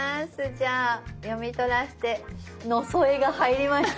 じゃあ読み取らせて「のそえ」が入りました。